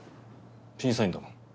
審査員だもん。